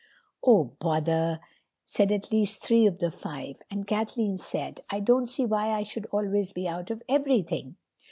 "Oh, bother," said at least three of the five; and Kathleen said: "I don't see why I should always be out of everything."